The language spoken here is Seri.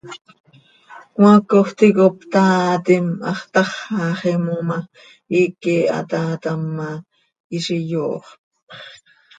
Cmaacoj ticop taaatim, hax táxaxim oo ma, iiqui hataatam ma, hizi yooxpx.